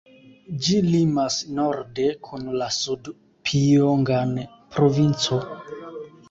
Ĝi limas norde kun la Sud-Pjongan provinco.